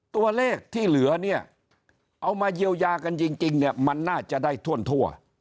ตัวเลขที่เหลือเนี่ยเอามาเยียวยากันจริงเนี่ยมันน่าจะได้ทั่ว